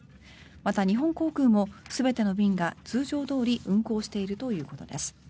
また、日本航空も全ての便が通常どおり運航しているということです。